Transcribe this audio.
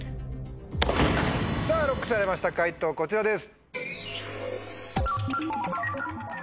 さぁＬＯＣＫされました解答こちらです。